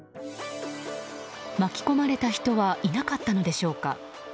巻き込まれた人はいなかったのでしょうか。